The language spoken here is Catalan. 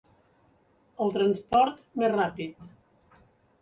El transport més ràpid.